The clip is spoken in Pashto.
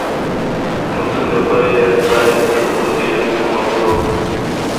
نو څنګه به يې ځاى د ښكــلو غېــږ نه وي ملګرو